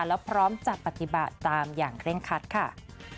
แล้วพร้อมจัดปฏิบัติตามอย่างเคร่งคัดค่ะ